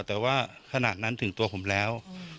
แต่ว่าขณะนั้นถึงตัวผมแล้ว